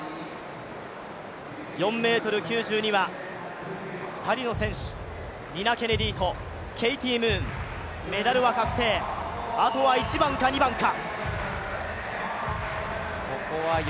４ｍ９０には２人の選手、ニナ・ケネディ、ケイティ・ムーン、メダルは確定、あとは１番か２番か。